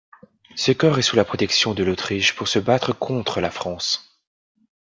Ce corps est sous la protection de l'Autriche pour se battre contre la France.